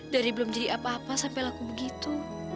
dari belum jadi apa apa sampai laku begitu